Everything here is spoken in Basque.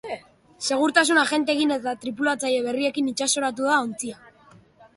Segurtasun agenteekin eta tripulatzaile berriekin itsasoratu da ontzia.